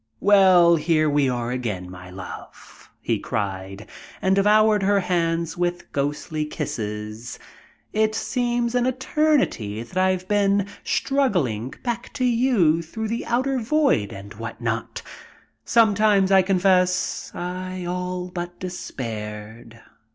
"Well, here we are again, my love!" he cried, and devoured her hands with ghostly kisses. "It seems an eternity that I've been struggling back to you through the outer void and what not. Sometimes, I confess I all but despaired.